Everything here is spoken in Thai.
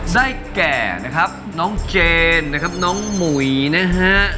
ได้แก่นะครับน้องเจนนะครับน้องหมุยนะฮะ